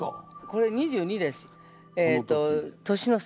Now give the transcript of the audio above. これ２２です。